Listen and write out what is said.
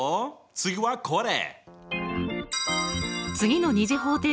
次はこれ。